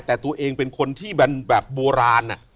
แต่ตัวเองเป็นคนที่แบบโบราณ